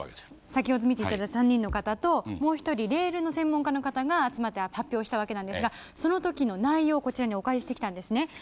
先程見て頂いた３人の方ともう１人レールの専門家の方が集まって発表したわけなんですがその時の内容をこちらにお借りしてきたんですね。